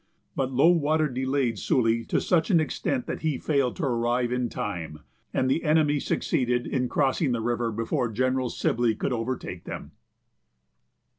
But low water delayed Sully to such an extent that he failed to arrive in time, and the enemy succeeded in crossing the river before General Sibley could overtake them.